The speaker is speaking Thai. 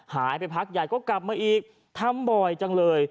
หายไปพักใหญ่ก็กลับมาอีกทำบ่อยจังเลย